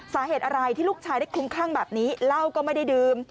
สาเหตุอะไรที่ลูกชายได้คลุมคลั่งแบบนี้เหล้าก็ไม่ได้ดื่ม